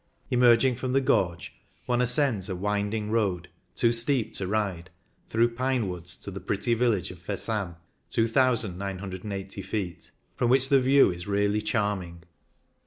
Emerging from the gorge, one ascends a winding road, too steep to ride, through pine woods, to the pretty village of Versam (2,980 ft.), from which the view is really charming.